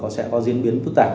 sẽ có diễn biến phức tạp